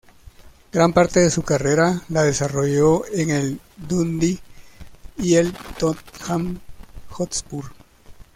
Gran parte de su carrera la desarrolló en el Dundee y el Tottenham Hotspur.